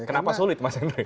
kenapa sulit mas hendri